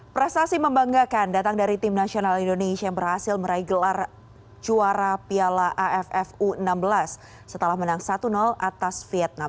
prestasi membanggakan datang dari tim nasional indonesia yang berhasil meraih gelar juara piala aff u enam belas setelah menang satu atas vietnam